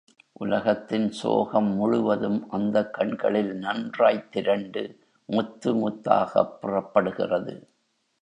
உலகத்தின் சோகம் முழுவதும் அந்தக் கண்களில் நன்றாய்த் திரண்டு முத்து முத்தாகப் புறப்படுகிறது.